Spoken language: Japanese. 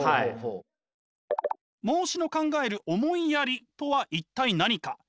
孟子の考える思いやりとは一体何か？